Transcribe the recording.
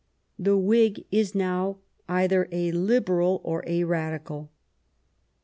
The Whig is now either a Liberal or a Badical.